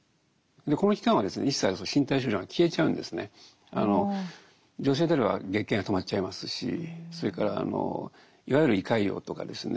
この期間はですね一切女性であれば月経が止まっちゃいますしそれからいわゆる胃潰瘍とかですね